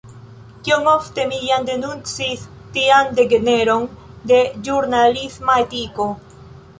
Kiom ofte mi jam denuncis tian degeneron de ĵurnalisma etiko!